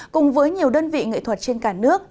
cùng với nhiều đơn vị nghệ thuật trên cả nước